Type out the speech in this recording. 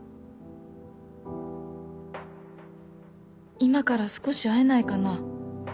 「今から少し会えないかな？」